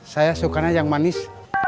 saya sukanya yang manis